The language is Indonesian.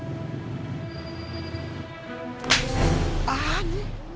anak buah kangmus